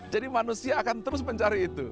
manusia akan terus mencari itu